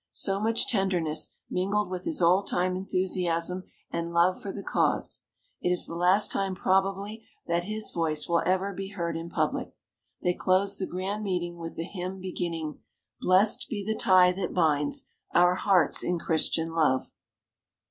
So much tenderness, mingled with his old time enthusiasm and love for the cause. It is the last time probably that his voice will ever be heard in public. They closed the grand meeting with the hymn beginning: "Blest be the tie that binds Our hearts in Christian love."